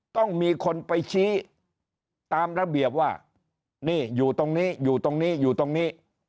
ต้องมีคนไปชี้ตามระเบียบว่านี่อยู่ตรงนี้อยู่ตรงนี้อยู่ตรงนี้